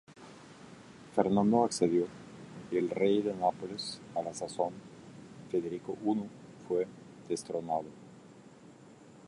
Fernando accedió y el rey de Nápoles, a la sazón Federico I, fue destronado.